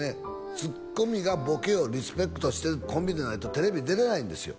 ツッコミがボケをリスペクトしてるコンビでないとテレビ出れないんですよ